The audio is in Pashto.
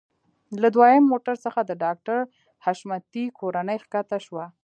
له دويم موټر څخه د ډاکټر حشمتي کورنۍ ښکته شوه.